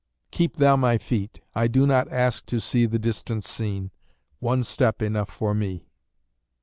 Keep thou my feet; I do not ask to see The distant scene, one step enough for me.